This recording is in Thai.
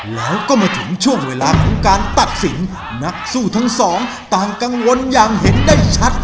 แล้วก็มาถึงช่วงเวลาของการตัดสินนักสู้ทั้งสองต่างกังวลอย่างเห็นได้ชัด